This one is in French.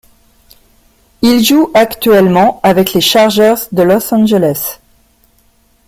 Il joue actuellement avec les Chargers de Los Angeles.